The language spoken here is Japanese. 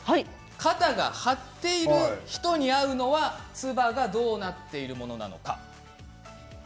肩が張っている人に合うのはつばがどうなっているものなのか。